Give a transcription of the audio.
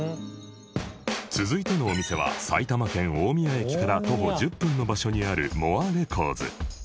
続いてのお店は埼玉県大宮駅から徒歩１０分の場所にある ｍｏｒｅｒｅｃｏｒｄｓ